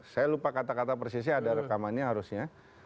saya lupa kata kata persisnya ada rekamannya harusnya